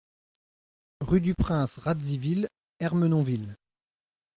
Rue du Prince Radziwill, Ermenonville